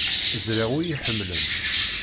Ẓriɣ ur iyi-ḥemmlent.